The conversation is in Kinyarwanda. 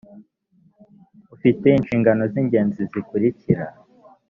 ufite inshingano z’ ingenzi zikurikira